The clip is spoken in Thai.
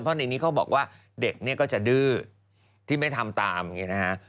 เพราะในนี้เขาบอกว่าเด็กเนี่ยก็จะดื้อที่ไม่ทำตามอย่างนี้นะฮะ